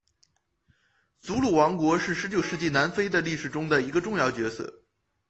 祖鲁王国是十九世纪南非的历史中的一个重要角色。